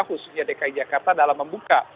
khususnya dki jakarta dalam membuka